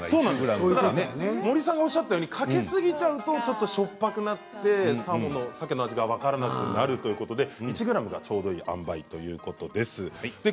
森さんもおっしゃったようにかけすぎちゃうとしょっぱくなるとサケの味が分からなくなるということで１ｇがちょうどいいあんばいということです。